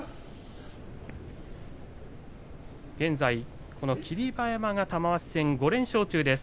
現在、霧馬山が玉鷲戦５連勝中です。